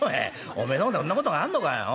おめえの方でそんなことがあんのかようん。